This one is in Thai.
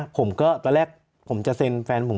ผมก็ตอนแรกผมจะเซ็นแฟนผม